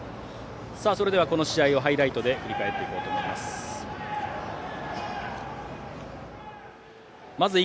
それではこの試合をハイライトで振り返ってまいります。